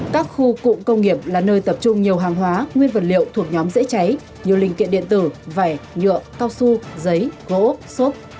các khu cụm công nghiệp là nơi tập trung nhiều hàng hóa nguyên vật liệu thuộc nhóm dễ cháy nhiều linh kiện điện tử vải nhựa cao su giấy gỗ xốp